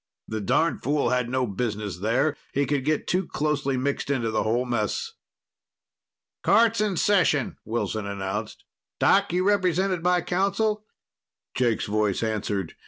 The darned fool had no business there; he could get too closely mixed into the whole mess. "Court's in session," Wilson announced. "Doc, you represented by counsel?" Jake's voice answered.